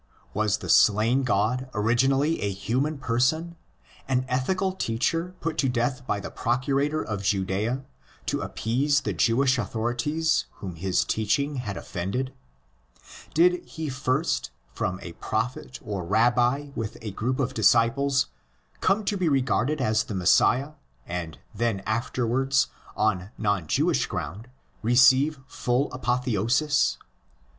Was the slain god originally a human person, an ethical teacher put to death by the Procurator of Judea to appease the Jewish authorities whom his teaching had offended ? Did he first, from a prophet or Rabbi with a group of disciples, come to be regarded as the Messiah, and THE PREPARATION FOR THE GOSPEL 21 then afterwards, on non Jewish ground, receive full apotheosis?